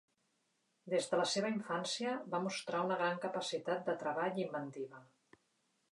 Des de la seva infància va mostrar una gran capacitat de treball i inventiva.